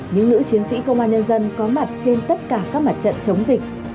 những nữ chiến sĩ công an nhân dân có mặt trên tất cả các mặt trận chống dịch